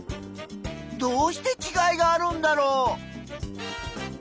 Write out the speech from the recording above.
どうしてちがいがあるんだろう？